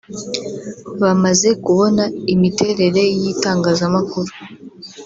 bamaze kubona imiterere y’itangazamakuru